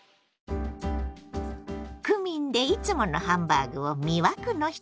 クミンでいつものハンバーグを魅惑の一皿に。